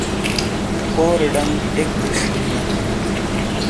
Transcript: کورے ڈھنگ ایک دریش ہِین واتوں۔